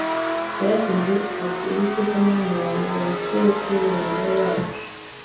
Yarasenze ati Uwiteka Mana ya ba sogokuruza bacu